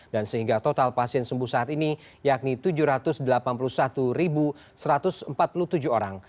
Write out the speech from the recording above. dan sehingga total pasien sembuh saat ini yakni tujuh ratus delapan puluh satu satu ratus empat puluh tujuh orang